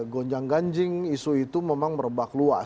gonjang ganjing isu itu memang merebak luas